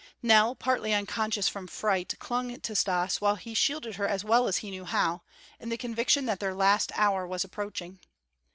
Nell, partly unconscious from fright, clung to Stas, while he shielded her as well as he knew how, in the conviction that their last hour was approaching.